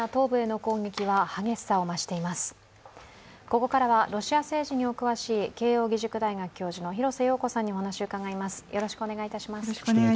ここからはロシア政治にお詳しい慶応義塾大学教授の廣瀬陽子さんにお話を伺います。